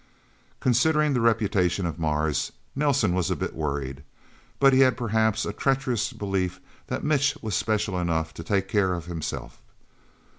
Considering the reputation of Mars, Nelsen was a bit worried. But he had a perhaps treacherous belief that Mitch was special enough to take care of himself.